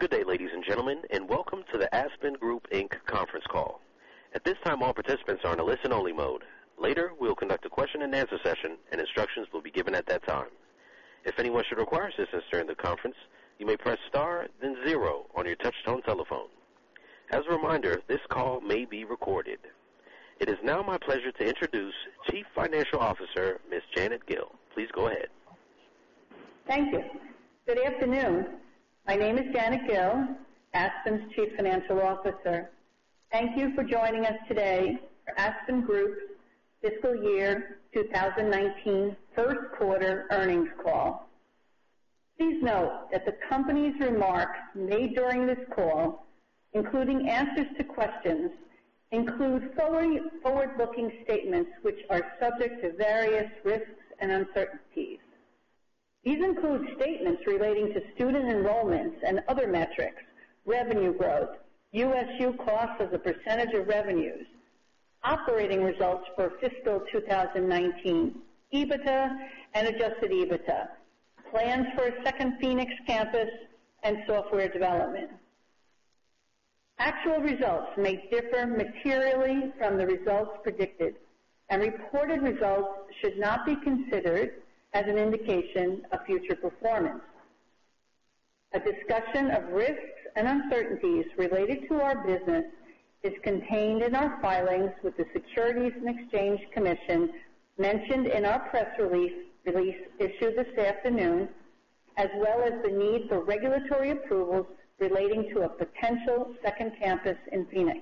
Good day, ladies and gentlemen, welcome to the Aspen Group, Inc. conference call. At this time, all participants are in a listen-only mode. Later, we'll conduct a question-and-answer session, instructions will be given at that time. If anyone should require assistance during the conference, you may press star then zero on your touchtone telephone. As a reminder, this call may be recorded. It is now my pleasure to introduce Chief Financial Officer, Ms. Janet Gill. Please go ahead. Thank you. Good afternoon. My name is Janet Gill, Aspen's Chief Financial Officer. Thank you for joining us today for Aspen Group fiscal year 2019 first quarter earnings call. Please note that the company's remarks made during this call, including answers to questions, include forward-looking statements which are subject to various risks and uncertainties. These include statements relating to student enrollments and other metrics, revenue growth, USU cost as a percentage of revenues, operating results for fiscal 2019, EBITDA and adjusted EBITDA, plans for a second Phoenix campus, software development. Actual results may differ materially from the results predicted, reported results should not be considered as an indication of future performance. A discussion of risks and uncertainties related to our business is contained in our filings with the Securities and Exchange Commission, mentioned in our press release issued this afternoon, as well as the need for regulatory approvals relating to a potential second campus in Phoenix.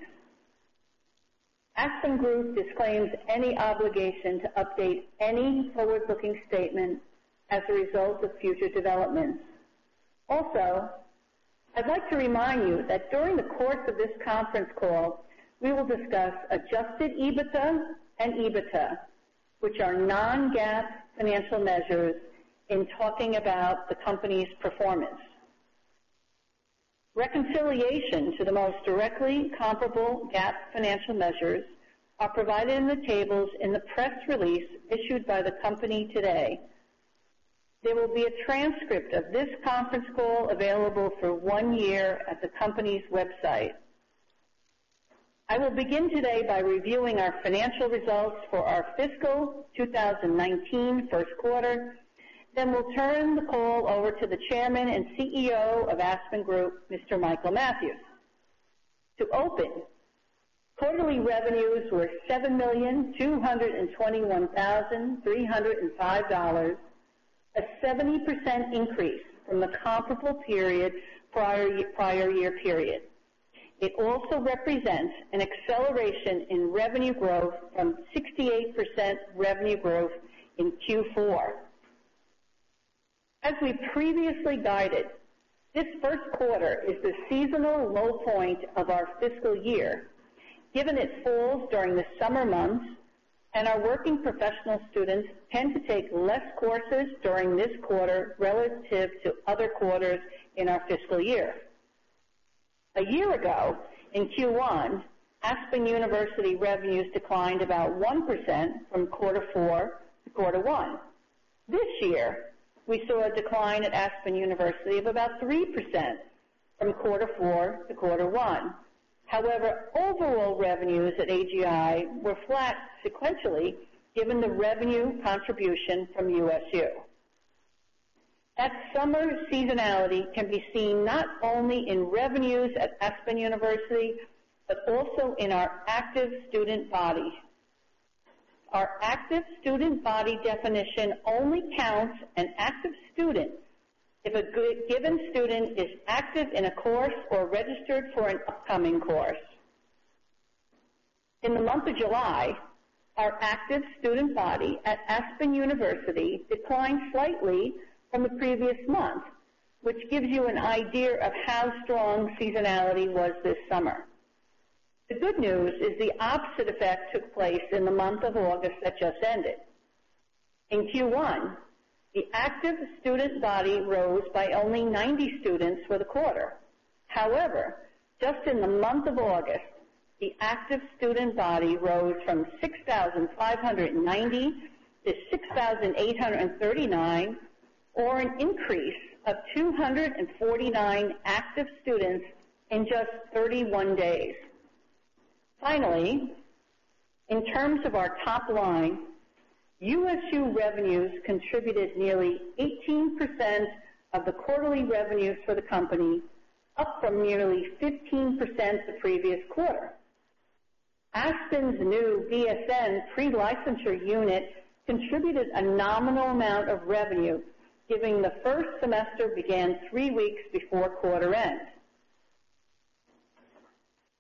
Aspen Group disclaims any obligation to update any forward-looking statements as a result of future developments. I'd like to remind you that during the course of this conference call, we will discuss adjusted EBITDA and EBITDA, which are non-GAAP financial measures in talking about the company's performance. Reconciliation to the most directly comparable GAAP financial measures are provided in the tables in the press release issued by the company today. There will be a transcript of this conference call available for one year at the company's website. I will begin today by reviewing our financial results for our fiscal 2019 first quarter, we'll turn the call over to the Chairman and CEO of Aspen Group, Mr. Michael Mathews. To open, quarterly revenues were $7,221,305, a 70% increase from the comparable period's prior year period. It also represents an acceleration in revenue growth from 68% revenue growth in Q4. As we previously guided, this first quarter is the seasonal low point of our fiscal year, given it falls during the summer months and our working professional students tend to take less courses during this quarter relative to other quarters in our fiscal year. A year ago, in Q1, Aspen University revenues declined about 1% from quarter four to quarter one. This year, we saw a decline at Aspen University of about 3% from quarter four to quarter one. Overall revenues at AGI were flat sequentially, given the revenue contribution from USU. That summer seasonality can be seen not only in revenues at Aspen University, but also in our active student body. Our active student body definition only counts an active student if a given student is active in a course or registered for an upcoming course. In the month of July, our active student body at Aspen University declined slightly from the previous month, which gives you an idea of how strong seasonality was this summer. The good news is the opposite effect took place in the month of August that just ended. In Q1, the active student body rose by only 90 students for the quarter. Just in the month of August, the active student body rose from 6,590 to 6,839, or an increase of 249 active students in just 31 days. In terms of our top line, USU revenues contributed nearly 18% of the quarterly revenues for the company, up from nearly 15% the previous quarter. Aspen's new BSN pre-licensure unit contributed a nominal amount of revenue, given the first semester began three weeks before quarter end.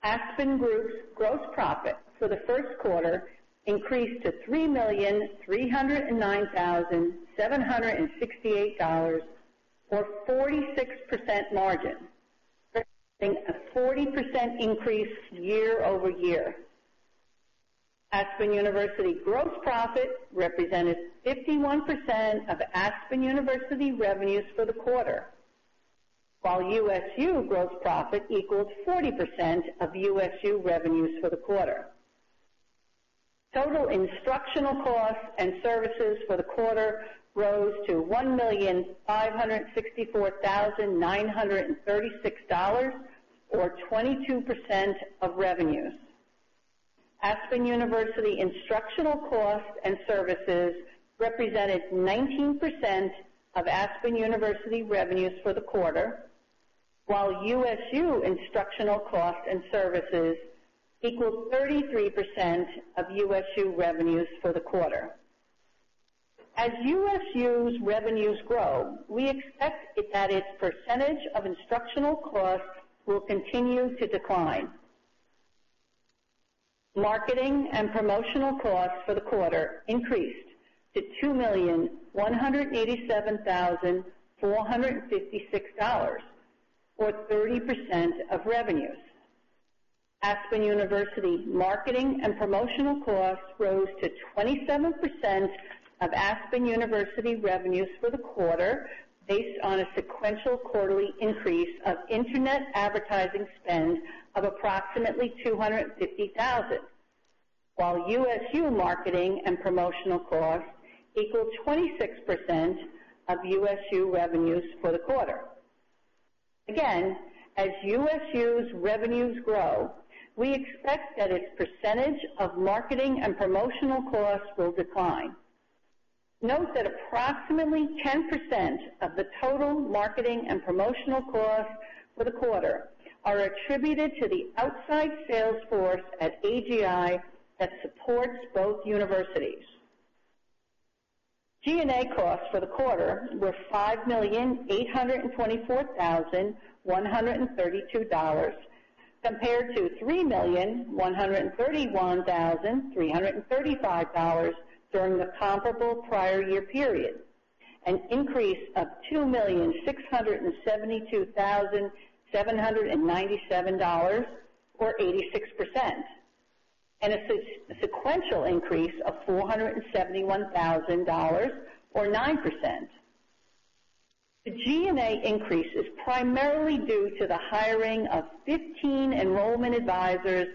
Aspen Group's gross profit for the first quarter increased to $3,309,768, or 46% margin, representing a 40% increase year-over-year. Aspen University gross profit represented 51% of Aspen University revenues for the quarter, while USU gross profit equals 40% of USU revenues for the quarter. Total instructional costs and services for the quarter rose to $1,564,936, or 22% of revenues. Aspen University instructional costs and services represented 19% of Aspen University revenues for the quarter, while USU instructional costs and services equaled 33% of USU revenues for the quarter. As USU's revenues grow, we expect that its percentage of instructional costs will continue to decline. Marketing and promotional costs for the quarter increased to $2,187,456, or 30% of revenues. Aspen University marketing and promotional costs rose to 27% of Aspen University revenues for the quarter, based on a sequential quarterly increase of internet advertising spend of approximately $250,000. While USU marketing and promotional costs equaled 26% of USU revenues for the quarter. As USU's revenues grow, we expect that its percentage of marketing and promotional costs will decline. Note that approximately 10% of the total marketing and promotional costs for the quarter are attributed to the outside sales force at AGI that supports both universities. G&A costs for the quarter were $5,824,132 compared to $3,131,335 during the comparable prior year period, an increase of $2,672,797 or 86%, and a sequential increase of $471,000 or 9%. The G&A increase is primarily due to the hiring of 15 enrollment advisors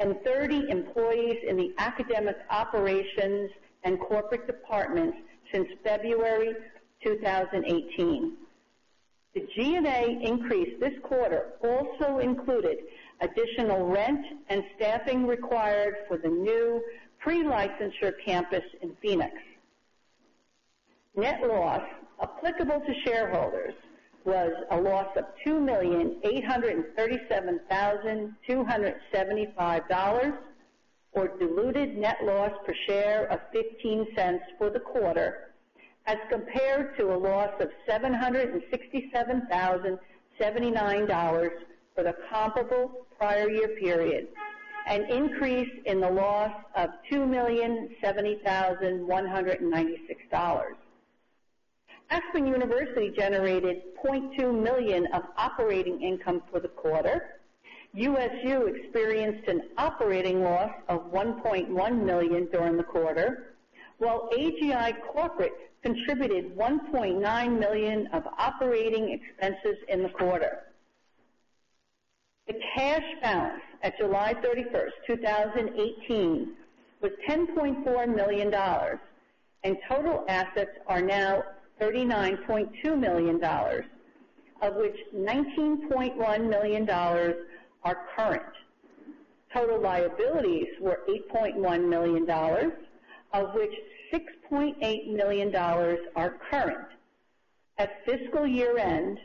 and 30 employees in the academic operations and corporate departments since February 2018. The G&A increase this quarter also included additional rent and staffing required for the new pre-licensure campus in Phoenix. Net loss applicable to shareholders was a loss of $2,837,275, or diluted net loss per share of $0.15 for the quarter, as compared to a loss of $767,079 for the comparable prior year period, an increase in the loss of $2,070,196. Aspen University generated $0.2 million of operating income for the quarter. USU experienced an operating loss of $1.1 million during the quarter, while AGI Corporate contributed $1.9 million of operating expenses in the quarter. The cash balance at July 31st, 2018, was $10.4 million, and total assets are now $39.2 million, of which $19.1 million are current. Total liabilities were $8.1 million, of which $6.8 million are current. At fiscal year-end,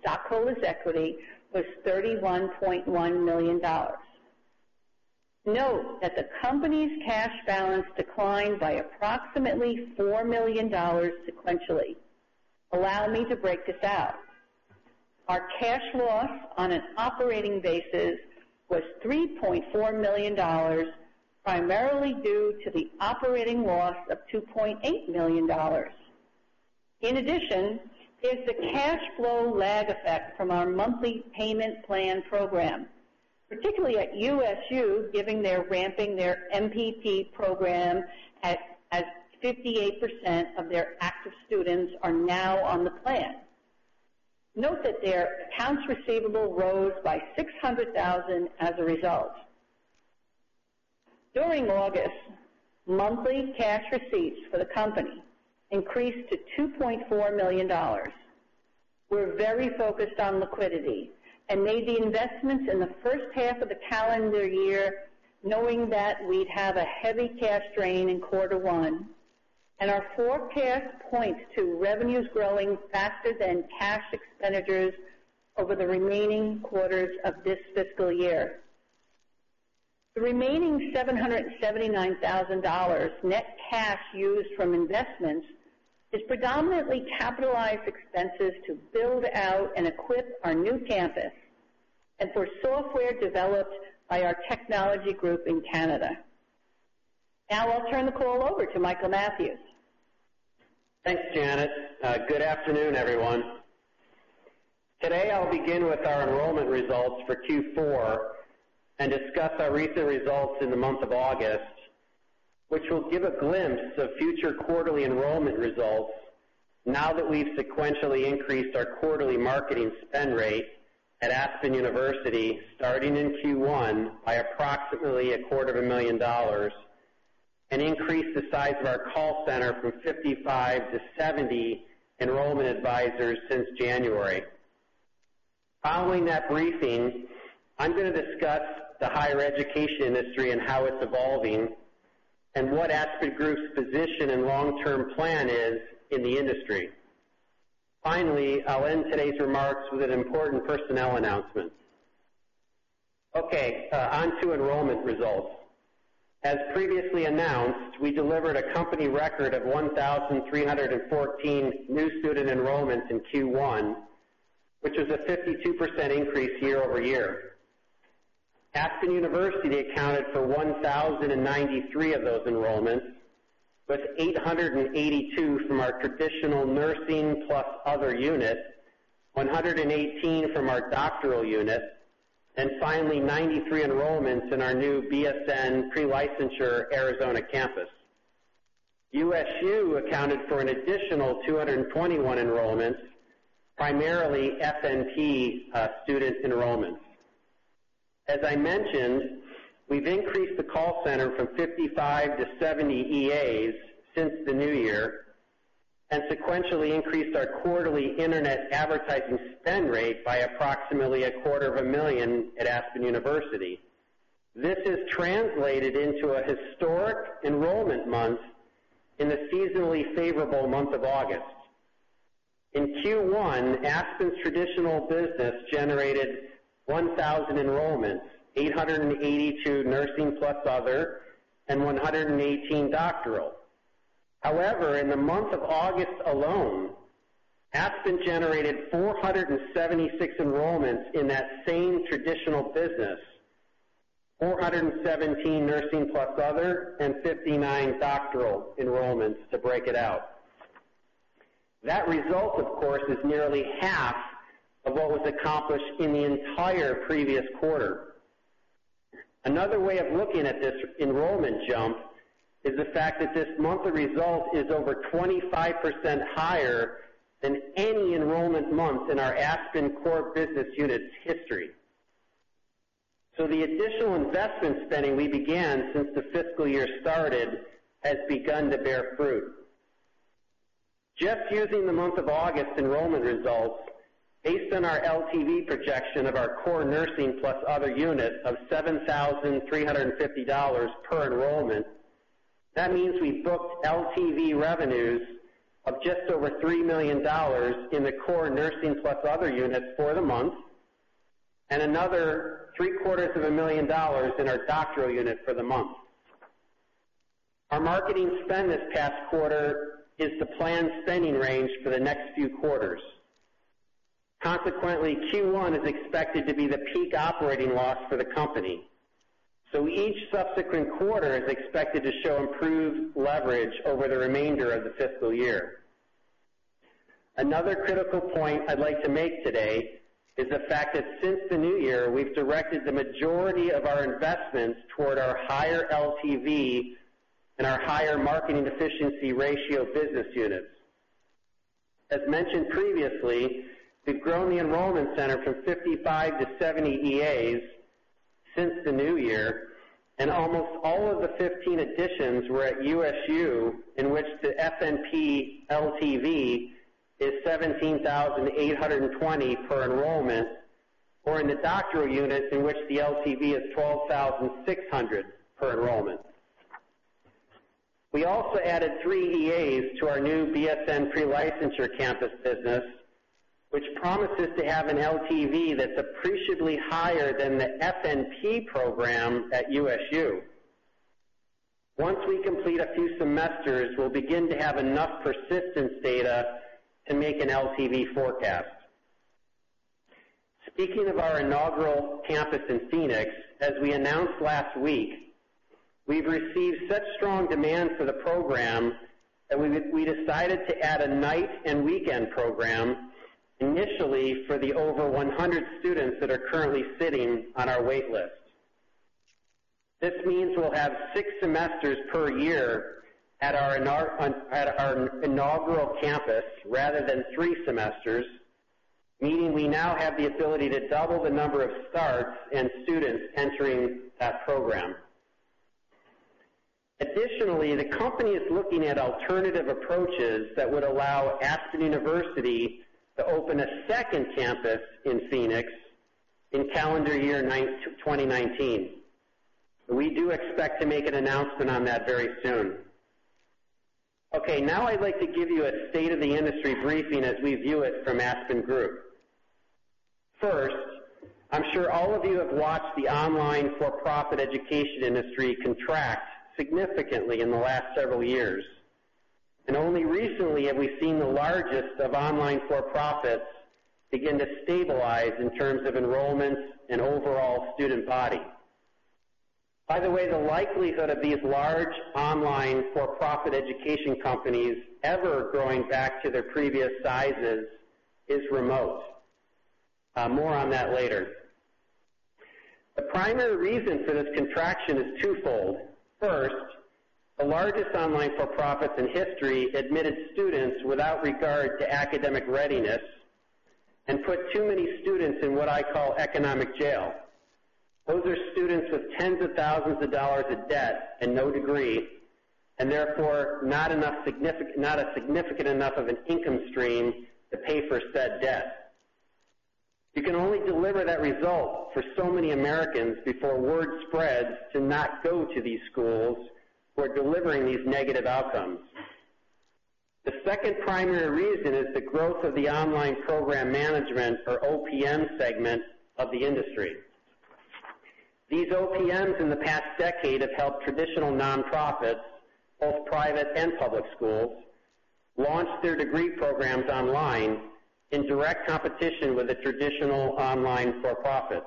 stockholders' equity was $31.1 million. Note that the company's cash balance declined by approximately $4 million sequentially. Allow me to break this out. Our cash loss on an operating basis was $3.4 million, primarily due to the operating loss of $2.8 million. In addition is the cash flow lag effect from our monthly payment plan program, particularly at USU, given they're ramping their MPP program as 58% of their active students are now on the plan. Note that their accounts receivable rose by $600,000 as a result. During August, monthly cash receipts for the company increased to $2.4 million. We're very focused on liquidity and made the investments in the first half of the calendar year knowing that we'd have a heavy cash drain in quarter one. Our forecast points to revenues growing faster than cash expenditures over the remaining quarters of this fiscal year. The remaining $779,000 net cash used from investments is predominantly capitalized expenses to build out and equip our new campus and for software developed by our technology group in Canada. I'll turn the call over to Michael Mathews. Thanks, Janet. Good afternoon, everyone. Today, I'll begin with our enrollment results for Q4 and discuss our recent results in the month of August, which will give a glimpse of future quarterly enrollment results. That we've sequentially increased our quarterly marketing spend rate at Aspen University starting in Q1 by approximately a quarter of a million dollars and increased the size of our call center from 55 to 70 enrollment advisors since January. Following that briefing, I'm going to discuss the higher education industry and how it's evolving, what Aspen Group's position and long-term plan is in the industry. Finally, I'll end today's remarks with an important personnel announcement. Onto enrollment results. As previously announced, we delivered a company record of 1,314 new student enrollments in Q1, which is a 52% increase year-over-year. Aspen University accounted for 1,093 of those enrollments, with 882 from our traditional nursing plus other unit, 118 from our doctoral unit, and finally, 93 enrollments in our new BSN pre-licensure Arizona campus. USU accounted for an additional 221 enrollments, primarily FNP student enrollments. As I mentioned, we've increased the call center from 55 to 70 EAs since the new year. Sequentially increased our quarterly internet advertising spend rate by approximately a quarter of a million at Aspen University. This has translated into a historic enrollment month in the seasonally favorable month of August. In Q1, Aspen's traditional business generated 1,000 enrollments, 882 nursing plus other, and 118 doctoral. In the month of August alone, Aspen generated 476 enrollments in that same traditional business, 417 nursing plus other, and 59 doctoral enrollments to break it out. That result, of course, is nearly half of what was accomplished in the entire previous quarter. Another way of looking at this enrollment jump is the fact that this monthly result is over 25% higher than any enrollment month in our Aspen core business unit's history. The additional investment spending we began since the fiscal year started has begun to bear fruit. Just using the month of August enrollment results, based on our LTV projection of our core nursing plus other unit of $7,350 per enrollment, that means we booked LTV revenues of just over $3 million in the core nursing plus other units for the month and another three-quarters of a million dollars in our doctoral unit for the month. Our marketing spend this past quarter is the planned spending range for the next few quarters. Consequently, Q1 is expected to be the peak operating loss for the company. Each subsequent quarter is expected to show improved leverage over the remainder of the fiscal year. Another critical point I'd like to make today is the fact that since the new year, we've directed the majority of our investments toward our higher LTV and our higher marketing efficiency ratio business units. As mentioned previously, we've grown the enrollment center from 55 to 70 EAs since the new year, and almost all of the 15 additions were at USU, in which the FNP LTV is $17,820 per enrollment, or in the doctoral unit, in which the LTV is $12,600 per enrollment. We also added three EAs to our new BSN pre-licensure campus business, which promises to have an LTV that's appreciably higher than the FNP program at USU. Once we complete a few semesters, we'll begin to have enough persistence data to make an LTV forecast. Speaking of our inaugural campus in Phoenix, as we announced last week, we've received such strong demand for the program that we decided to add a night and weekend program initially for the over 100 students that are currently sitting on our wait list. This means we'll have six semesters per year at our inaugural campus rather than three semesters, meaning we now have the ability to double the number of starts and students entering that program. Additionally, the company is looking at alternative approaches that would allow Aspen University to open a second campus in Phoenix in calendar year 2019. We do expect to make an announcement on that very soon. Now I'd like to give you a state of the industry briefing as we view it from Aspen Group. First, I'm sure all of you have watched the online for-profit education industry contract significantly in the last several years. Only recently have we seen the largest of online for-profits begin to stabilize in terms of enrollments and overall student body. By the way, the likelihood of these large online for-profit education companies ever going back to their previous sizes is remote. More on that later. The primary reason for this contraction is twofold. First, the largest online for-profits in history admitted students without regard to academic readiness and put too many students in what I call economic jail. Those are students with tens of thousands of dollars of debt and no degree, and therefore not a significant enough of an income stream to pay for said debt. You can only deliver that result for so many Americans before word spreads to not go to these schools who are delivering these negative outcomes. The second primary reason is the growth of the online program management, or OPM segment of the industry. These OPMs in the past decade have helped traditional nonprofits, both private and public schools, launch their degree programs online in direct competition with the traditional online for-profits.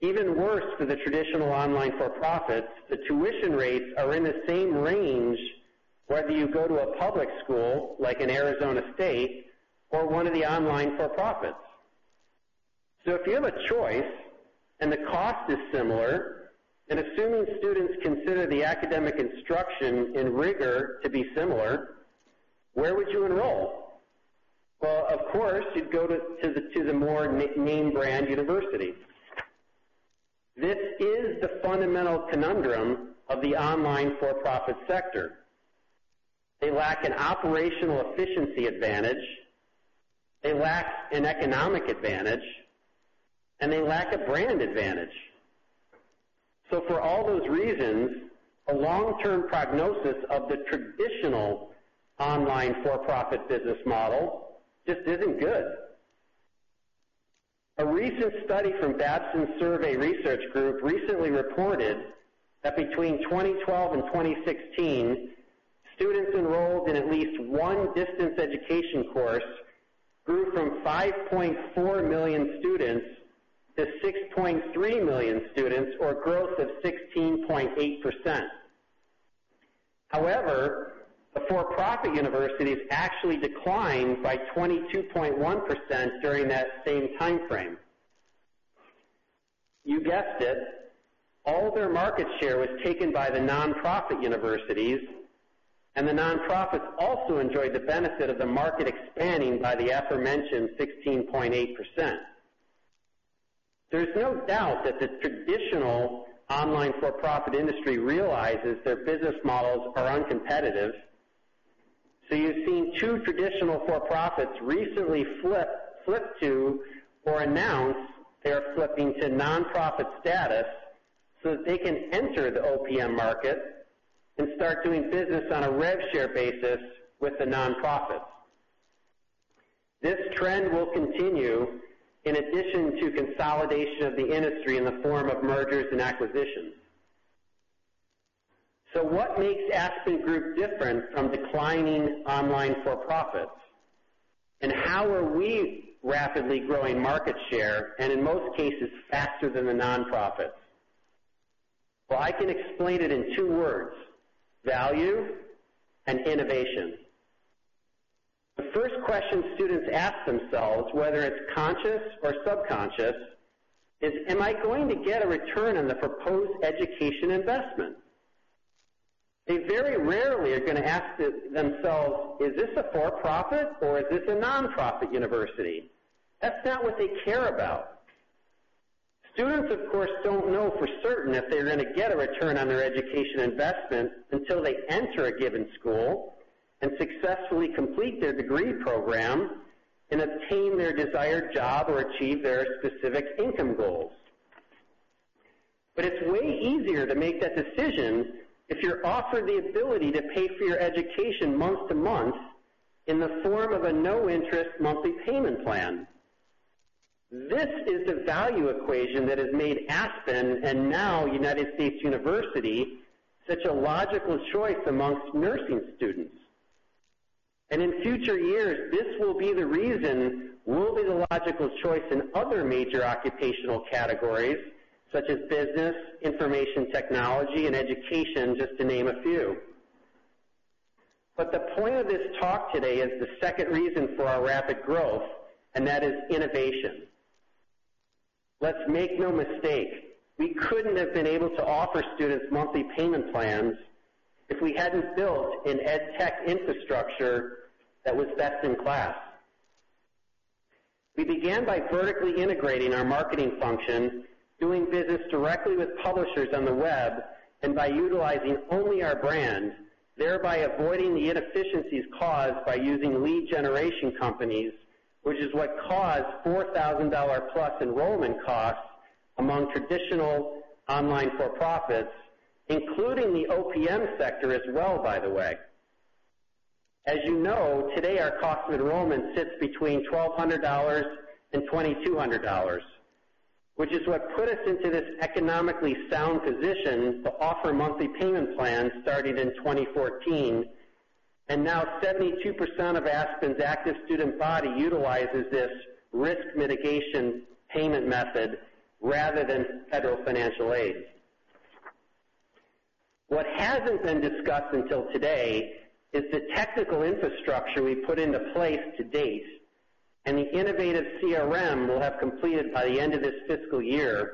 Even worse for the traditional online for-profits, the tuition rates are in the same range whether you go to a public school, like an Arizona State, or one of the online for-profits. If you have a choice and the cost is similar, and assuming students consider the academic instruction and rigor to be similar, where would you enroll? Of course, you'd go to the more name brand university. This is the fundamental conundrum of the online for-profit sector. They lack an operational efficiency advantage, they lack an economic advantage, and they lack a brand advantage. For all those reasons, a long-term prognosis of the traditional online for-profit business model just isn't good. A recent study from Babson Survey Research Group recently reported that between 2012 and 2016, students enrolled in at least one distance education course grew from 5.4 million students to 6.3 million students, or growth of 16.8%. However, the for-profit universities actually declined by 22.1% during that same timeframe. You guessed it, all their market share was taken by the nonprofit universities, and the nonprofits also enjoyed the benefit of the market expanding by the aforementioned 16.8%. There's no doubt that the traditional online for-profit industry realizes their business models are uncompetitive. You've seen two traditional for-profits recently flip to or announce they are flipping to nonprofit status so that they can enter the OPM market and start doing business on a rev share basis with the nonprofits. This trend will continue in addition to consolidation of the industry in the form of mergers and acquisitions. What makes Aspen Group different from declining online for-profits? How are we rapidly growing market share and in most cases faster than the nonprofits? I can explain it in two words: value and innovation. The first question students ask themselves, whether it's conscious or subconscious is, am I going to get a return on the proposed education investment? They very rarely are going to ask themselves, is this a for-profit or is this a nonprofit university? That's not what they care about. Students, of course, don't know for certain if they're going to get a return on their education investment until they enter a given school and successfully complete their degree program and obtain their desired job or achieve their specific income goals. It's way easier to make that decision if you're offered the ability to pay for your education month to month in the form of a no-interest monthly payment plan. This is the value equation that has made Aspen, and now United States University, such a logical choice amongst nursing students. In future years, this will be the reason we'll be the logical choice in other major occupational categories such as business, information technology, and education, just to name a few. The point of this talk today is the second reason for our rapid growth, and that is innovation. Let's make no mistake, we couldn't have been able to offer students monthly payment plans if we hadn't built an edtech infrastructure that was best in class. We began by vertically integrating our marketing function, doing business directly with publishers on the web, and by utilizing only our brand, thereby avoiding the inefficiencies caused by using lead generation companies, which is what caused $4,000-plus enrollment costs among traditional online for-profits, including the OPM sector as well, by the way. As you know, today our cost of enrollment sits between $1,200 and $2,200, which is what put us into this economically sound position to offer monthly payment plans starting in 2014. Now 72% of Aspen's active student body utilizes this risk mitigation payment method rather than federal financial aid. What hasn't been discussed until today is the technical infrastructure we put into place to date, and the innovative CRM we'll have completed by the end of this fiscal year,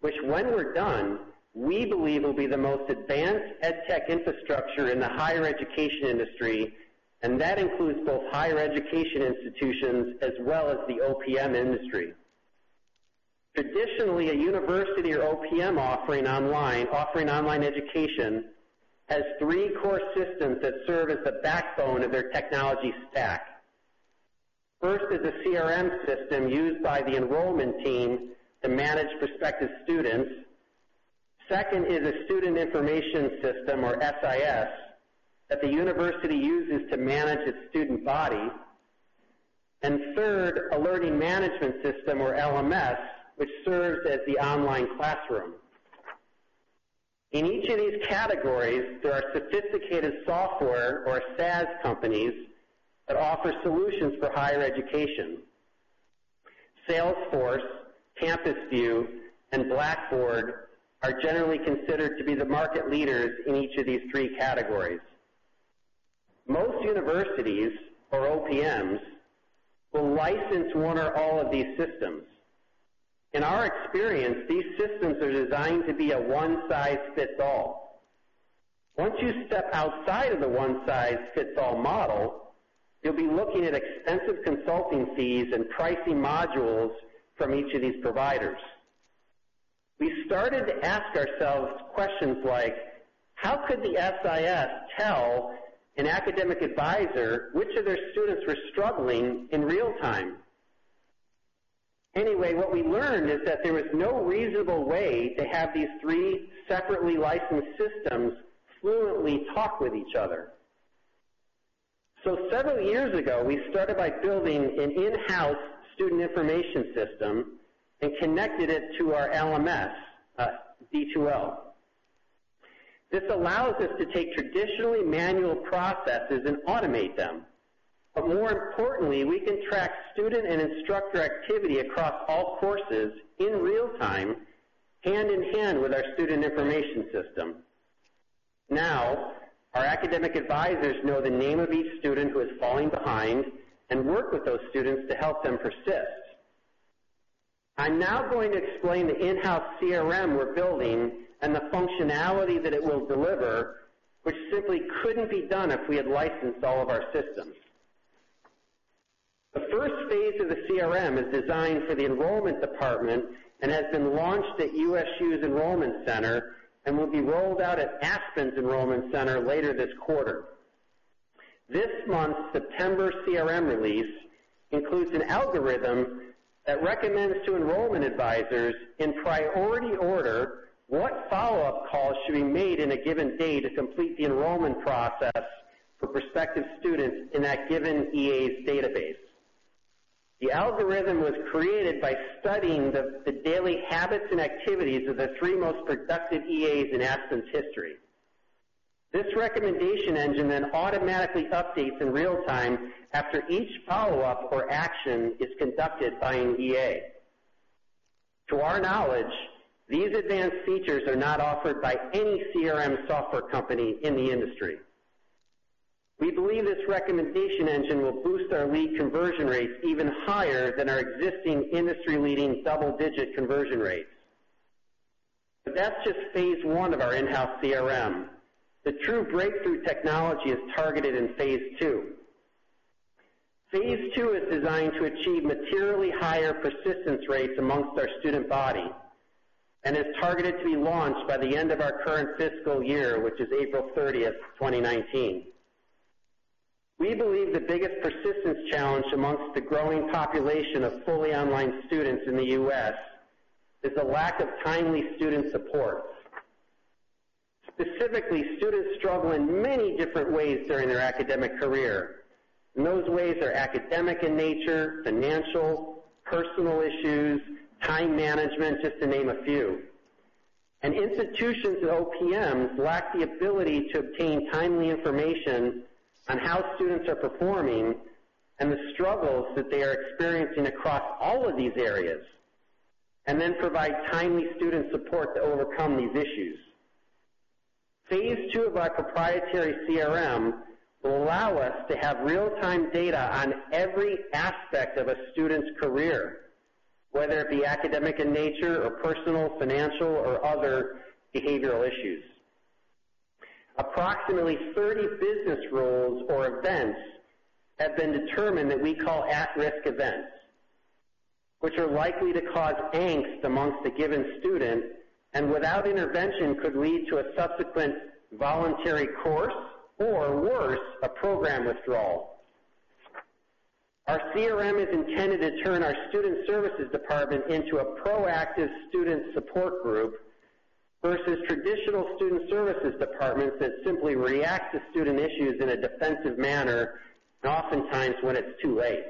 which when we're done, we believe will be the most advanced ed tech infrastructure in the higher education industry, and that includes both higher education institutions as well as the OPM industry. Traditionally, a university or OPM offering online education has three core systems that serve as the backbone of their technology stack. First is a CRM system used by the enrollment team to manage prospective students. Second is a student information system, or SIS, that the university uses to manage its student body. Third, a learning management system, or LMS, which serves as the online classroom. In each of these categories, there are sophisticated software or SaaS companies that offer solutions for higher education. Salesforce, CampusVue, and Blackboard are generally considered to be the market leaders in each of these three categories. Most universities or OPMs will license one or all of these systems. In our experience, these systems are designed to be a one-size-fits-all. Once you step outside of the one-size-fits-all model, you'll be looking at extensive consulting fees and pricing modules from each of these providers. We started to ask ourselves questions like, "How could the SIS tell an academic advisor which of their students were struggling in real time?" Anyway, what we learned is that there was no reasonable way to have these three separately licensed systems fluently talk with each other. Several years ago, we started by building an in-house student information system and connected it to our LMS, D2L. This allows us to take traditionally manual processes and automate them. More importantly, we can track student and instructor activity across all courses in real time, hand in hand with our student information system. Now, our academic advisors know the name of each student who is falling behind and work with those students to help them persist. I'm now going to explain the in-house CRM we're building and the functionality that it will deliver, which simply couldn't be done if we had licensed all of our systems. The first phase of the CRM is designed for the enrollment department and has been launched at USU's enrollment center and will be rolled out at Aspen's enrollment center later this quarter. This month's September CRM release includes an algorithm that recommends to enrollment advisors, in priority order, what follow-up calls should be made in a given day to complete the enrollment process for prospective students in that given EA's database. The algorithm was created by studying the daily habits and activities of the three most productive EAs in Aspen's history. This recommendation engine then automatically updates in real time after each follow-up or action is conducted by an EA. To our knowledge, these advanced features are not offered by any CRM software company in the industry. We believe this recommendation engine will boost our lead conversion rates even higher than our existing industry-leading double-digit conversion rates. That's just phase 1 of our in-house CRM. The true breakthrough technology is targeted in phase 2. Phase 2 is designed to achieve materially higher persistence rates amongst our student body and is targeted to be launched by the end of our current fiscal year, which is April 30th, 2019. We believe the biggest persistence challenge amongst the growing population of fully online students in the U.S. is the lack of timely student support. Specifically, students struggle in many different ways during their academic career, and those ways are academic in nature, financial, personal issues, time management, just to name a few. Institutions and OPMs lack the ability to obtain timely information on how students are performing and the struggles that they are experiencing across all of these areas, and then provide timely student support to overcome these issues. Phase 2 of our proprietary CRM will allow us to have real-time data on every aspect of a student's career, whether it be academic in nature or personal, financial, or other behavioral issues. Approximately 30 business rules or events have been determined that we call at-risk events, which are likely to cause angst amongst a given student, and without intervention, could lead to a subsequent voluntary course or, worse, a program withdrawal. Our CRM is intended to turn our student services department into a proactive student support group versus traditional student services departments that simply react to student issues in a defensive manner, and oftentimes when it's too late.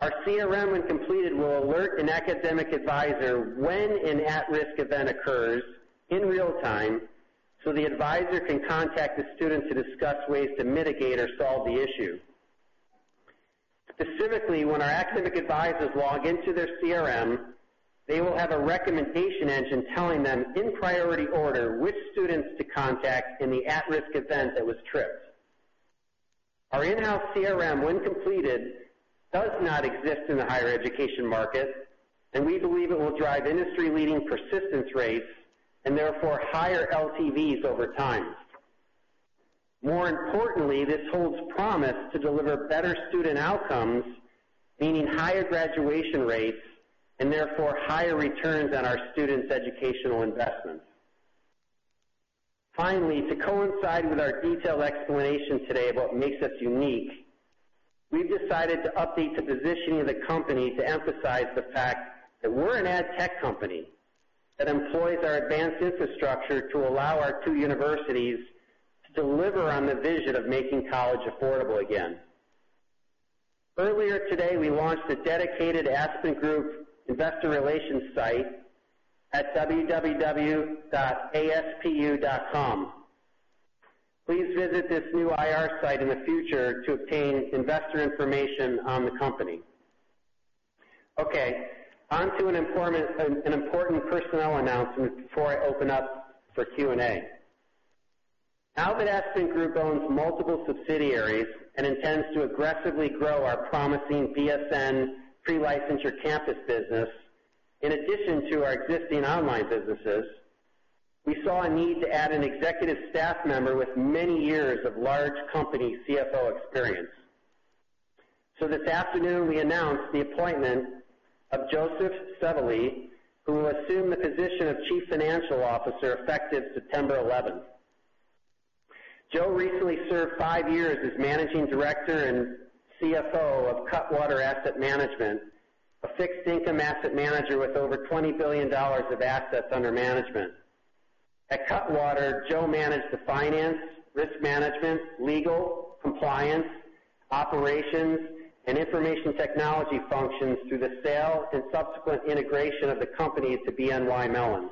Our CRM, when completed, will alert an academic advisor when an at-risk event occurs in real time, so the advisor can contact the student to discuss ways to mitigate or solve the issue. Specifically, when our academic advisors log into their CRM, they will have a recommendation engine telling them, in priority order, which students to contact in the at-risk event that was tripped. Our in-house CRM, when completed, does not exist in the higher education market, and we believe it will drive industry-leading persistence rates and therefore higher LTVs over time. More importantly, this holds promise to deliver better student outcomes, meaning higher graduation rates and therefore higher returns on our students' educational investments. Finally, to coincide with our detailed explanation today of what makes us unique, we've decided to update the positioning of the company to emphasize the fact that we're an ed tech company that employs our advanced infrastructure to allow our two universities to deliver on the vision of making college affordable again. Earlier today, we launched a dedicated Aspen Group investor relations site at www.aspu.com. Please visit this new IR site in the future to obtain investor information on the company. Onto an important personnel announcement before I open up for Q&A. Now that Aspen Group owns multiple subsidiaries and intends to aggressively grow our promising BSN pre-licensure campus business, in addition to our existing online businesses, we saw a need to add an executive staff member with many years of large company CFO experience. This afternoon, we announced the appointment of Joseph Sevely, who will assume the position of Chief Financial Officer effective September 11th. Joe recently served five years as managing director and CFO of Cutwater Asset Management, a fixed-income asset manager with over $20 billion of assets under management. At Cutwater, Joe managed the finance, risk management, legal, compliance, operations, and information technology functions through the sale and subsequent integration of the company to BNY Mellon.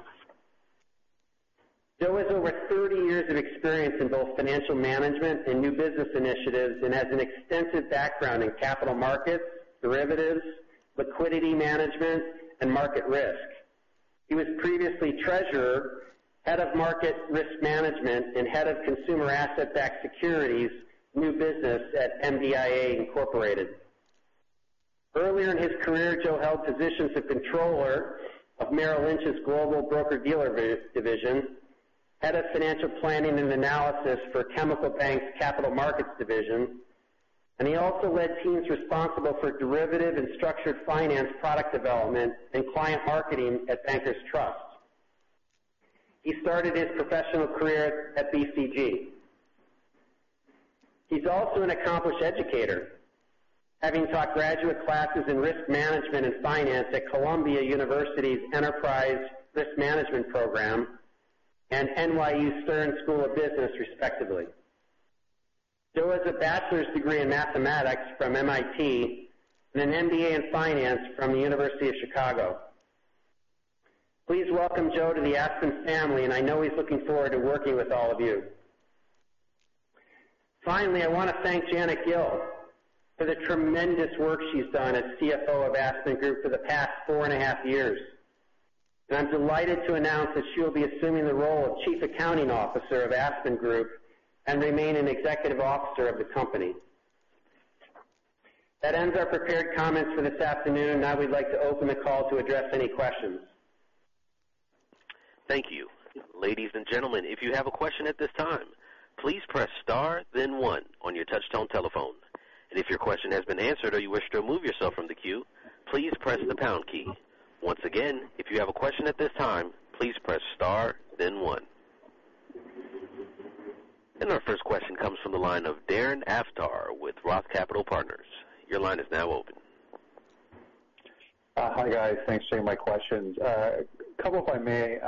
Joe has over 30 years of experience in both financial management and new business initiatives and has an extensive background in capital markets, derivatives, liquidity management, and market risk. He was previously treasurer, head of market risk management, and head of consumer asset-backed securities new business at MBIA Inc. Earlier in his career, Joe held positions of controller of Merrill Lynch's global broker-dealer division, head of financial planning and analysis for Chemical Bank's capital markets division, and he also led teams responsible for derivative and structured finance product development and client marketing at Bankers Trust. He started his professional career at BCG. He is also an accomplished educator, having taught graduate classes in risk management and finance at Columbia University's Enterprise Risk Management program and NYU Stern School of Business, respectively. Joe has a bachelor's degree in mathematics from MIT and an MBA in finance from the University of Chicago. Please welcome Joe to the Aspen family, and I know he is looking forward to working with all of you. Finally, I want to thank Janet Gill for the tremendous work she has done as CFO of Aspen Group for the past four and a half years. And I am delighted to announce that she will be assuming the role of Chief Accounting Officer of Aspen Group and remain an executive officer of the company. That ends our prepared comments for this afternoon. Now we would like to open the call to address any questions. Thank you. Ladies and gentlemen, if you have a question at this time, please press star then one on your touchtone telephone. And if your question has been answered or you wish to remove yourself from the queue, please press the pound key. Once again, if you have a question at this time, please press star then one. And our first question comes from the line of Darren Aftahi with ROTH Capital Partners. Your line is now open. Hi, guys. Thanks for taking my questions. A couple, if I may.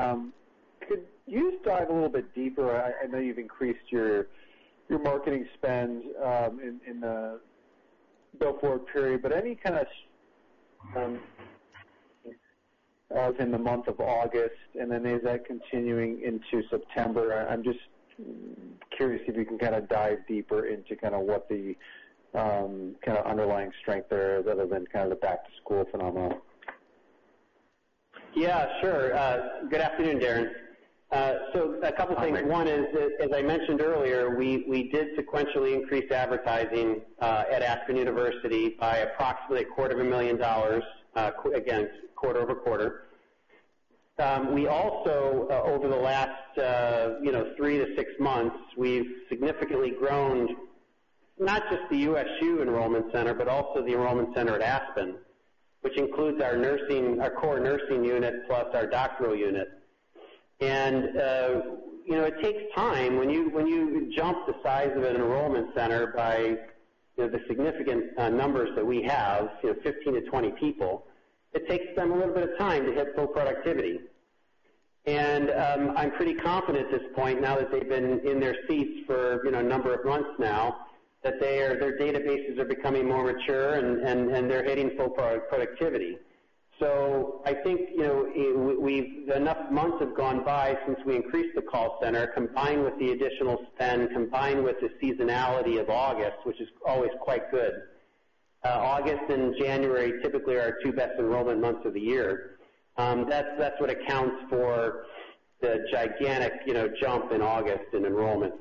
Could you dive a little bit deeper? I know you've increased your marketing spend in the bill forward period, but any kind of in the month of August, and then is that continuing into September? I'm just curious if you can dive deeper into what the underlying strength there is other than the back-to-school phenomenon. Yeah, sure. Good afternoon, Darren. A couple things. Hi, Mike. One is, as I mentioned earlier, we did sequentially increase advertising at Aspen University by approximately a quarter of a million dollars against quarter-over-quarter. We also, over the last three to six months, we've significantly grown not just the USU Enrollment Center, but also the Enrollment Center at Aspen, which includes our core nursing unit plus our doctoral unit. It takes time. When you jump the size of an enrollment center by the significant numbers that we have, 15-20 people, it takes them a little bit of time to hit full productivity. I'm pretty confident at this point, now that they've been in their seats for a number of months now, that their databases are becoming more mature and they're hitting full productivity. I think enough months have gone by since we increased the call center, combined with the additional spend, combined with the seasonality of August, which is always quite good. August and January typically are our two best enrollment months of the year. That's what accounts for the gigantic jump in August in enrollments.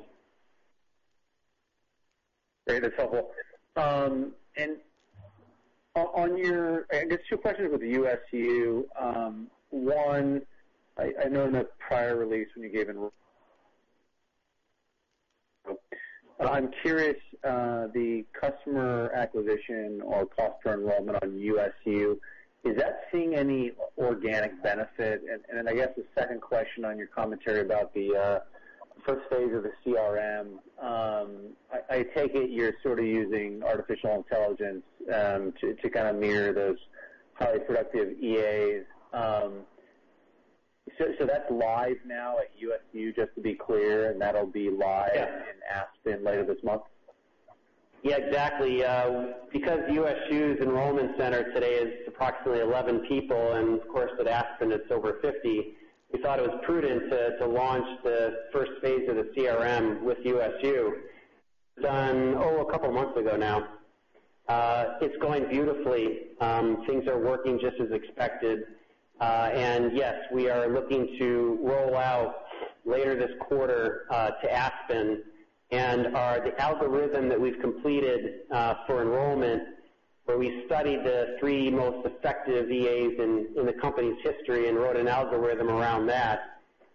Great. That's helpful. Just two questions with the USU. One, I know in a prior release when you gave enrollment. I'm curious, the customer acquisition or cost per enrollment on USU, is that seeing any organic benefit? Then I guess the second question on your commentary about the first phase of the CRM. I take it you're sort of using artificial intelligence to kind of mirror those highly productive EAs. That's live now at USU, just to be clear, and that'll be live- Yes in Aspen later this month? Yeah, exactly. USU's enrollment center today is approximately 11 people, and of course, with Aspen it's over 50, we thought it was prudent to launch the first phase of the CRM with USU. It was done, oh, a couple of months ago now. It's going beautifully. Things are working just as expected. Yes, we are looking to roll out later this quarter to Aspen and the algorithm that we've completed for enrollment, where we studied the three most effective EAs in the company's history and wrote an algorithm around that.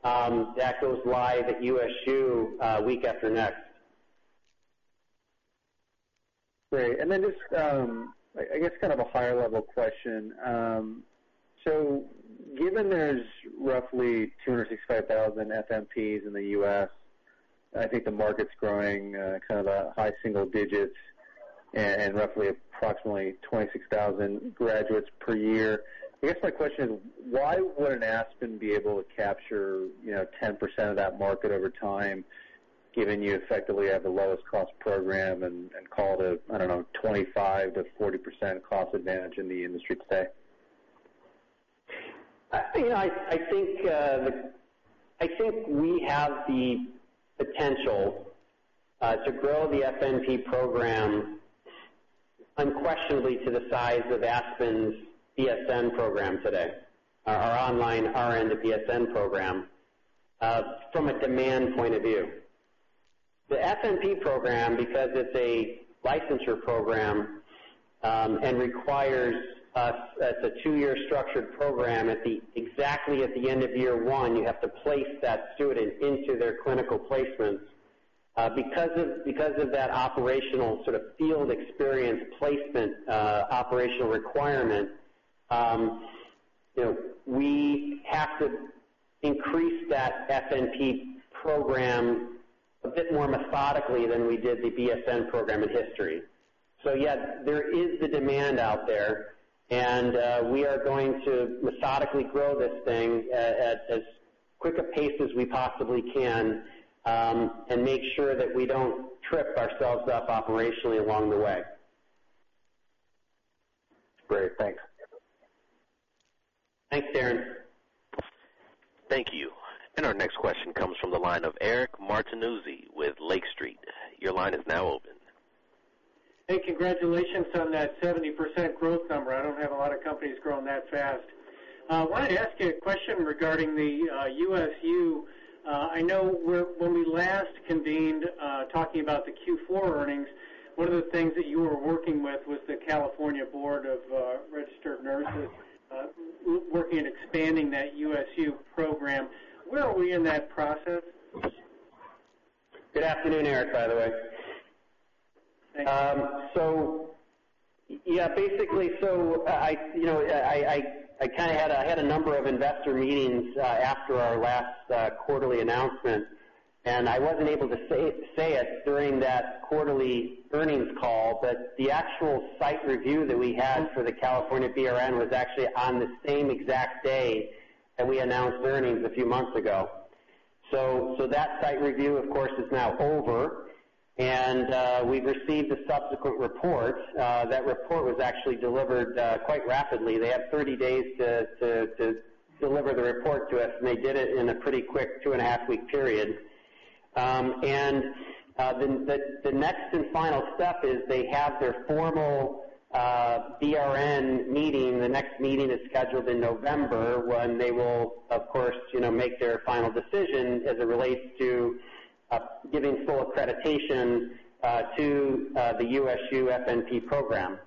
That goes live at USU week after next. Great. Just, I guess kind of a higher level question. Given there's roughly 265,000 FNPs in the U.S., I think the market's growing kind of a high single digits and roughly approximately 26,000 graduates per year. I guess my question is, why wouldn't Aspen be able to capture 10% of that market over time, given you effectively have the lowest cost program and call it, I don't know, 25%-40% cost advantage in the industry today? I think we have the potential to grow the FNP program unquestionably to the size of Aspen's BSN program today, our online RN to BSN program, from a demand point of view. The FNP program, because it's a licensure program and requires us as a two-year structured program, exactly at the end of year one, you have to place that student into their clinical placements. Because of that operational sort of field experience placement operational requirement, we have to increase that FNP program a bit more methodically than we did the BSN program in history. Yes, there is the demand out there, and we are going to methodically grow this thing at as quick a pace as we possibly can and make sure that we don't trip ourselves up operationally along the way. Great. Thanks. Thanks, Darren. Thank you. Our next question comes from the line of Eric Martinuzzi with Lake Street. Your line is now open. Hey, congratulations on that 70% growth number. I don't have a lot of companies growing that fast. Wanted to ask you a question regarding the USU. I know when we last convened talking about the Q4 earnings, one of the things that you were working with was the California Board of Registered Nursing, working on expanding that USU program. Where are we in that process? Good afternoon, Eric, by the way. Thank you. Yeah, basically, I had a number of investor meetings after our last quarterly announcement. I wasn't able to say it during that quarterly earnings call, but the actual site review that we had for the California BRN was actually on the same exact day that we announced earnings a few months ago. That site review, of course, is now over, and we've received the subsequent report. That report was actually delivered quite rapidly. They had 30 days to deliver the report to us, and they did it in a pretty quick two and a half week period. The next and final step is they have their formal BRN meeting. The next meeting is scheduled in November, when they will, of course, make their final decision as it relates to giving full accreditation to the USU FNP program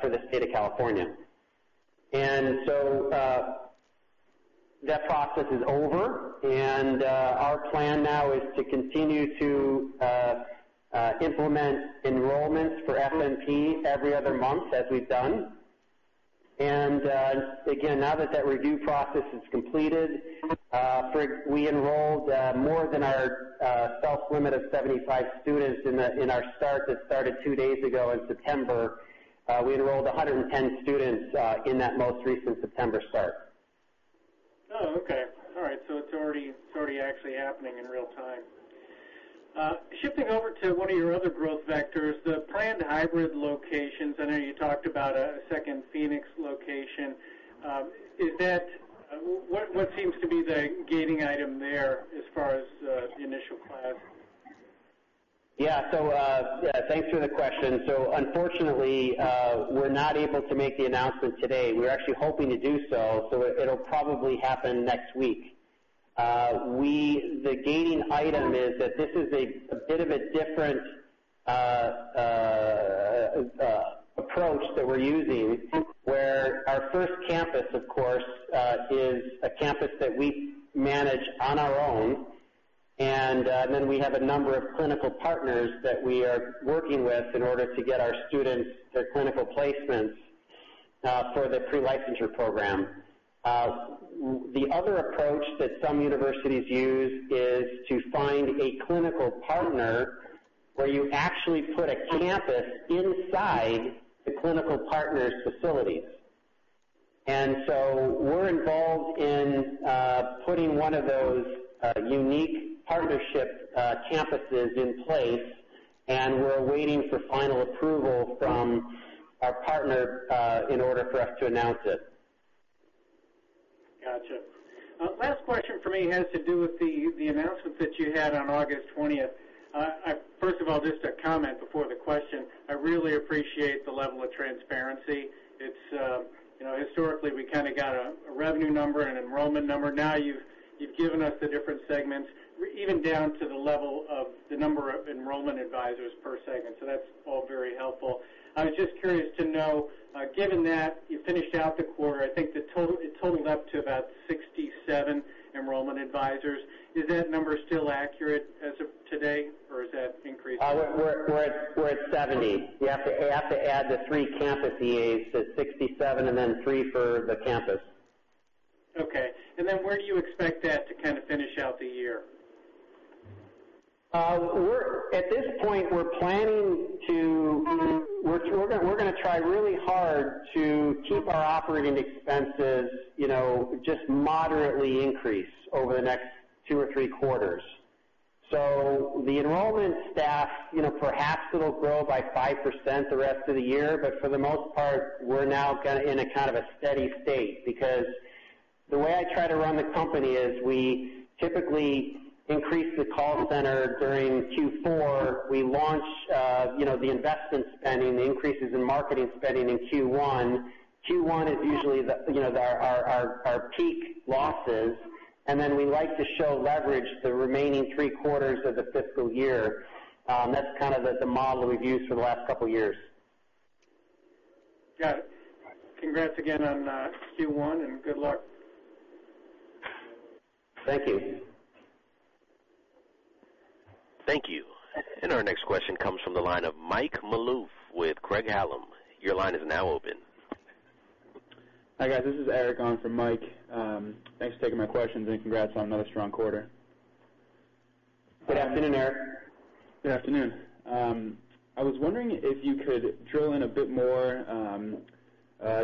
for the state of California. That process is over. Our plan now is to continue to implement enrollments for FNP every other month as we've done. Again, now that that review process is completed, we enrolled more than our soft limit of 75 students in our start that started two days ago in September. We enrolled 110 students in that most recent September start. Oh, okay. All right. It's already actually happening in real time. Shifting over to one of your other growth vectors, the planned hybrid locations. I know you talked about a second Phoenix location. What seems to be the gting item there as far as the initial plan? Yeah. Thanks for the question. Unfortunately, we're not able to make the announcement today. We're actually hoping to do so. It'll probably happen next week. The gaining item is that this is a bit of a different approach that we're using, where our first campus, of course, is a campus that we manage on our own. Then we have a number of clinical partners that we are working with in order to get our students their clinical placements for the pre-licensure program. The other approach that some universities use is to find a clinical partner where you actually put a campus inside the clinical partner's facilities. We're involved in putting one of those unique partnership campuses in place. We're waiting for final approval from our partner, in order for us to announce it. Got you. Last question from me has to do with the announcement that you had on August 20th. First of all, just a comment before the question. I really appreciate the level of transparency. Historically, we kind of got a revenue number and enrollment number. Now you've given us the different segments, even down to the level of the number of Enrollment Advisors per segment. That's all very helpful. I was just curious to know, given that you finished out the quarter, I think it totaled up to about 67 Enrollment Advisors. Is that number still accurate as of today, or has that increased? We're at 70. You have to add the three campus EAs, so 67, and then three for the campus. Okay. Where do you expect that to kind of finish out the year? At this point, we're going to try really hard to keep our operating expenses just moderately increased over the next two or three quarters. The enrollment staff, perhaps it'll grow by 5% the rest of the year, but for the most part, we're now in a kind of a steady state. The way I try to run the company is we typically increase the call center during Q4. We launch the investment spending, the increases in marketing spending in Q1. Q1 is usually our peak losses, and then we like to show leverage the remaining three quarters of the fiscal year. That's kind of the model we've used for the last couple of years. Got it. Congrats again on Q1, good luck. Thank you. Thank you. Our next question comes from the line of Mike Malouf with Craig-Hallum. Your line is now open. Hi, guys. This is Eric on for Mike. Thanks for taking my questions, congrats on another strong quarter. Good afternoon, Eric. Good afternoon. I was wondering if you could drill in a bit more,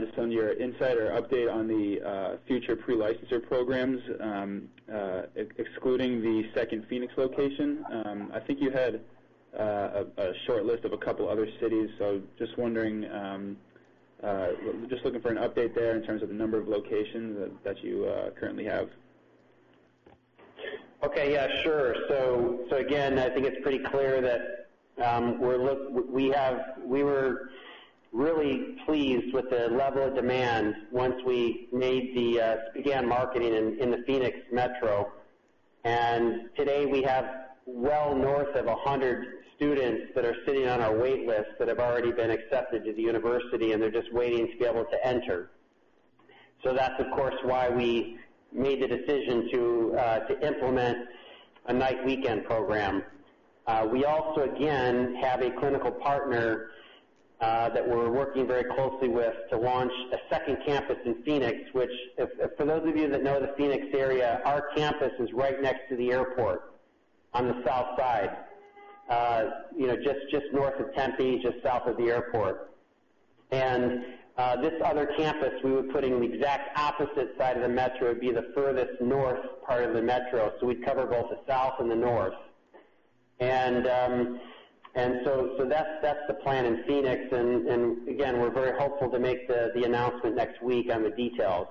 just on your insight or update on the future pre-licensure programs, excluding the second Phoenix location. I think you had a shortlist of a couple other cities. Just wondering, just looking for an update there in terms of the number of locations that you currently have. Okay. Yeah, sure. Again, I think it's pretty clear that we were really pleased with the level of demand once we began marketing in the Phoenix metro. Today we have well north of 100 students that are sitting on our wait list that have already been accepted to the university, and they're just waiting to be able to enter. That's, of course, why we made the decision to implement a night weekend program. We also, again, have a clinical partner, that we're working very closely with to launch a second campus in Phoenix. Which, for those of you that know the Phoenix area, our campus is right next to the airport on the south side. Just north of Tempe, just south of the airport. This other campus we would put in the exact opposite side of the metro. It'd be the furthest north part of the metro. We'd cover both the south and the north. That's the plan in Phoenix. Again, we're very hopeful to make the announcement next week on the details.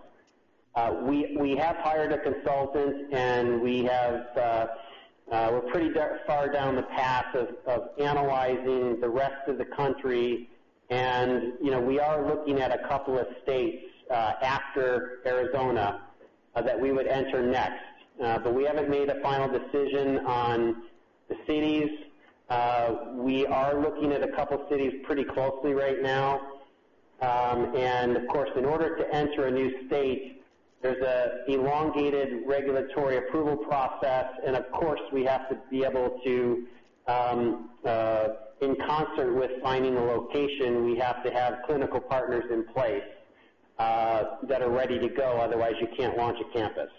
We have hired a consultant, we're pretty far down the path of analyzing the rest of the country. We are looking at a couple of states after Arizona that we would enter next. We haven't made a final decision on the cities. We are looking at a couple of cities pretty closely right now. Of course, in order to enter a new state, there's an elongated regulatory approval process. Of course, in concert with finding a location, we have to have clinical partners in place that are ready to go. Otherwise, you can't launch a campus.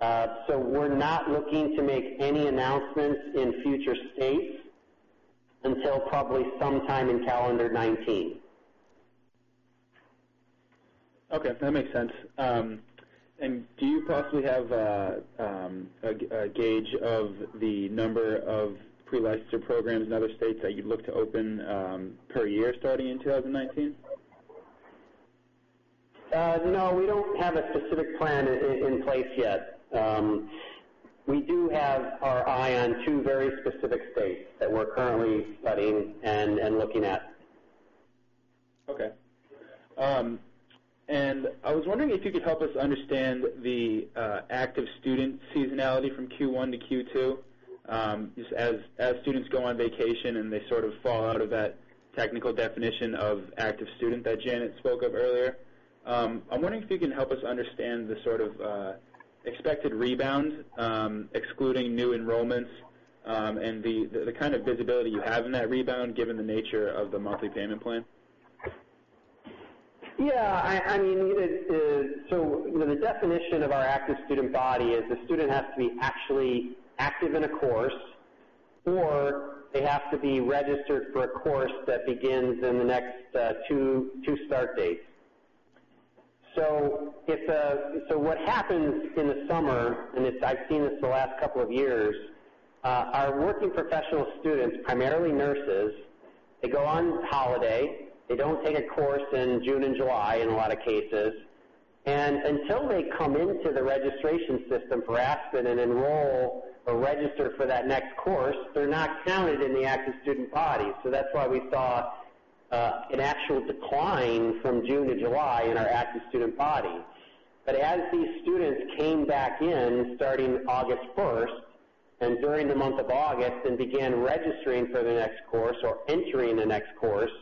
We're not looking to make any announcements in future states Until probably sometime in calendar 2019. Okay, that makes sense. Do you possibly have a gauge of the number of pre-licensure programs in other states that you'd look to open per year starting in 2019? No, we don't have a specific plan in place yet. We do have our eye on two very specific states that we're currently studying and looking at. Okay. I was wondering if you could help us understand the active student seasonality from Q1 to Q2. As students go on vacation and they sort of fall out of that technical definition of active student that Janet spoke of earlier. I'm wondering if you can help us understand the expected rebound, excluding new enrollments, and the kind of visibility you have in that rebound given the nature of the monthly payment plan. The definition of our active student body is a student has to be actually active in a course, or they have to be registered for a course that begins in the next two start dates. What happens in the summer, and I've seen this the last couple of years, our working professional students, primarily nurses, they go on holiday. They don't take a course in June and July in a lot of cases. Until they come into the registration system for Aspen and enroll or register for that next course, they're not counted in the active student body. That's why we saw an actual decline from June to July in our active student body. As these students came back in starting August 1st and during the month of August and began registering for the next course or entering the next course,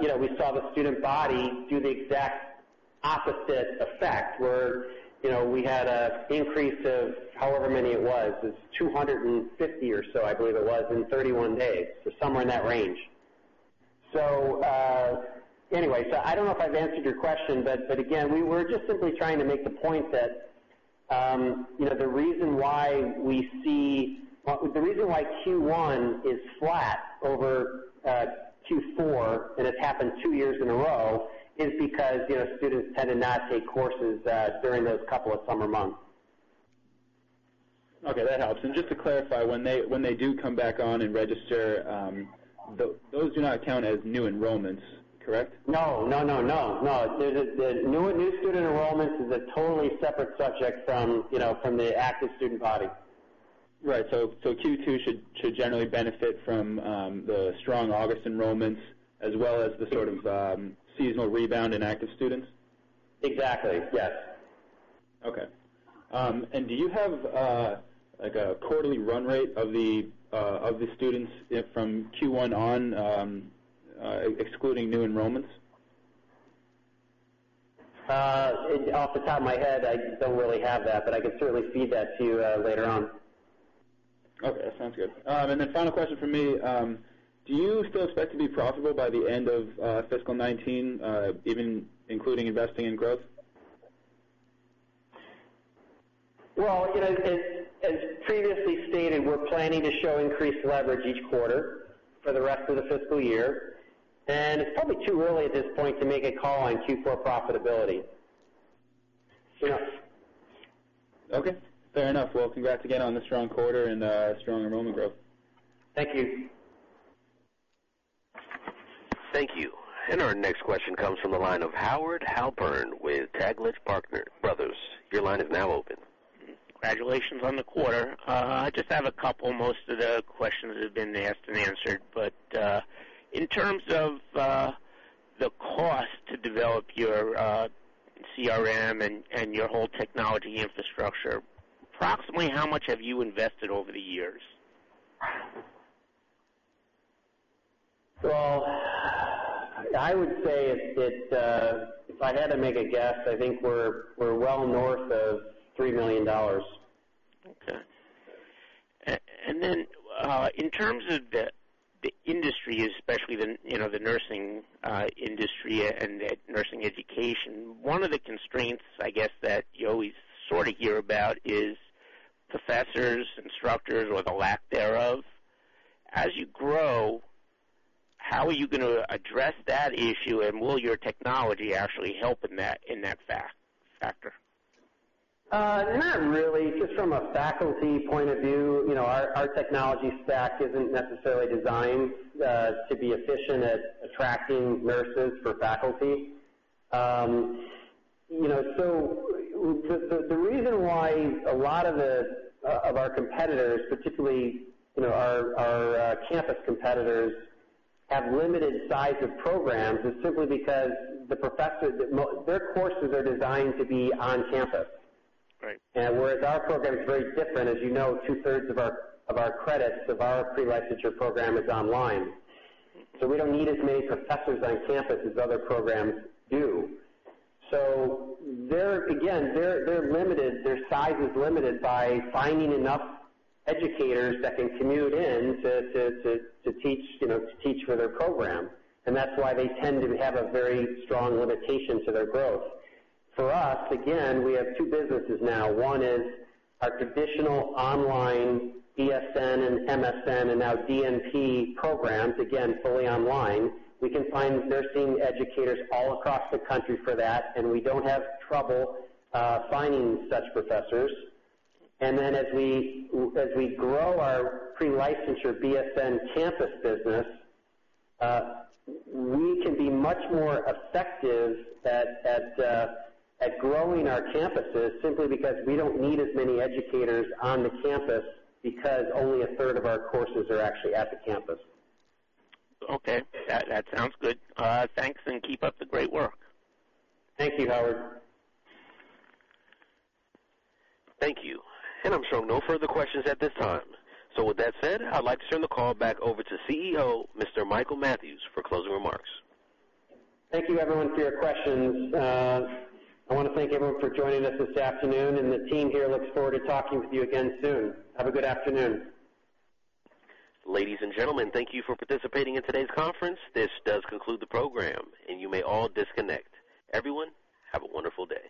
we saw the student body do the exact opposite effect, where we had an increase of however many it was. It's 250 or so, I believe it was in 31 days. Somewhere in that range. Anyway, I don't know if I've answered your question, again, we were just simply trying to make the point that the reason why Q1 is flat over Q4, and it's happened two years in a row, is because students tend to not take courses during those couple of summer months. Okay, that helps. Just to clarify, when they do come back on and register, those do not count as new enrollments, correct? No. New student enrollments is a totally separate subject from the active student body. Right. Q2 should generally benefit from the strong August enrollments as well as the sort of seasonal rebound in active students? Exactly, yes. Okay. Do you have a quarterly run rate of the students from Q1 on, excluding new enrollments? Off the top of my head, I don't really have that, I can certainly feed that to you later on. Okay, sounds good. Then final question from me. Do you still expect to be profitable by the end of fiscal 2019, even including investing in growth? Well, as previously stated, we're planning to show increased leverage each quarter for the rest of the fiscal year, it's probably too early at this point to make a call on Q4 profitability. Okay, fair enough. Well, congrats again on the strong quarter and strong enrollment growth. Thank you. Thank you. Our next question comes from the line of Howard Halpern with Taglich Brothers. Your line is now open. Congratulations on the quarter. I just have a couple. Most of the questions have been asked and answered. In terms of the cost to develop your CRM and your whole technology infrastructure, approximately how much have you invested over the years? Well, I would say that if I had to make a guess, I think we're well north of $3 million. Okay. In terms of the industry, especially the nursing industry and nursing education, one of the constraints I guess that you always sort of hear about is professors, instructors, or the lack thereof. As you grow, how are you going to address that issue, and will your technology actually help in that factor? Not really. Just from a faculty point of view, our technology stack isn't necessarily designed to be efficient at attracting nurses for faculty. The reason why a lot of our competitors, particularly our campus competitors, have limited size of programs is simply because their courses are designed to be on campus. Right. Whereas our program is very different. As you know, two-thirds of our credits of our pre-licensure program is online. We don't need as many professors on campus as other programs do. Again, they're limited. Their size is limited by finding enough educators that can commute in to teach for their program. That's why they tend to have a very strong limitation to their growth. For us, again, we have two businesses now. One is our traditional online BSN and MSN, and now DNP programs, again, fully online. We can find nursing educators all across the country for that, and we don't have trouble finding such professors. As we grow our pre-licensure BSN campus business, we can be much more effective at growing our campuses simply because we don't need as many educators on the campus because only a third of our courses are actually at the campus. Okay. That sounds good. Thanks, and keep up the great work. Thank you, Howard. Thank you. I'm showing no further questions at this time. With that said, I'd like to turn the call back over to CEO, Mr. Michael Mathews, for closing remarks. Thank you everyone for your questions. I want to thank everyone for joining us this afternoon, and the team here looks forward to talking with you again soon. Have a good afternoon. Ladies and gentlemen, thank you for participating in today's conference. This does conclude the program, and you may all disconnect. Everyone, have a wonderful day.